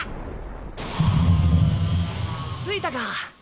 着いたか。